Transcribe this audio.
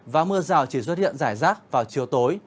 và mưa rào chỉ xuất hiện giải rắc vào chiều tối